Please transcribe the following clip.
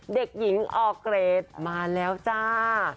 เด็กหญิงออร์เกรดมาแล้วจ้า